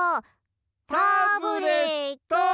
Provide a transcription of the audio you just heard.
タブレットン！